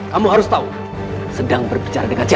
kamu harus tahu sedang berbicara dengan siapa